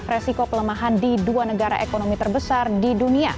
resiko pelemahan di dua negara ekonomi terbesar di dunia